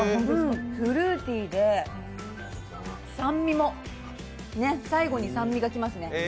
フルーティーで、酸味も最後に酸味がきますね。